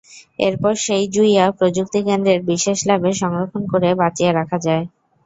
এরপর সেই জুইয়া প্রযুক্তিকেন্দ্রের বিশেষ ল্যাবে সংরক্ষণ করে বাঁচিয়ে রাখা হয়।